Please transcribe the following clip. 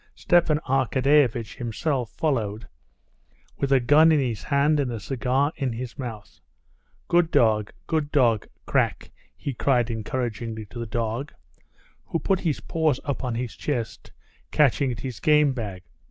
Stepan Arkadyevitch himself followed with a gun in his hand and a cigar in his mouth. "Good dog, good dog, Krak!" he cried encouragingly to the dog, who put his paws up on his chest, catching at his game bag.